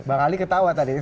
bang ali ketawa tadi